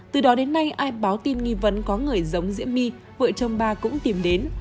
từ đó đến nay ai báo tin nghi vấn có người giống diễm my vợ chồng ba cũng tìm đến